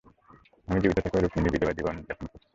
আমি জীবিত থেকেও রুকমিনি বিধবা জীবন যাপন করছে।